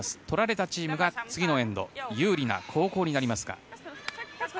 取られたチームが次のエンド有利な後攻になりますが。